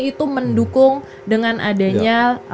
itu mendukung dengan adanya